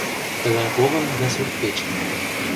Тыгай погым да сурт-печым